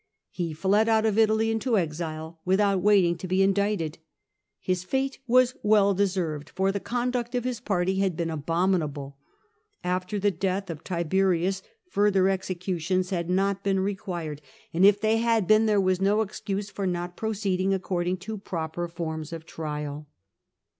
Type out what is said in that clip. He fled out of Italy into exile, without waiting to be indicted. His fete was well deserved, for the conduct of Ms party had been abominable; after the death of Tiberius further executions had not been required ; and if CAIUS GEACCHUS S8 they bad been, there was no excuse for not proceeding according to proper legal forms of trial.